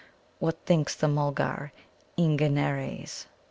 What thinks the Mulgar Eengenares?"